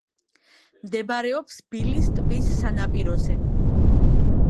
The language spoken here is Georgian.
მდებარეობს ბილის ტბის სანაპიროზე.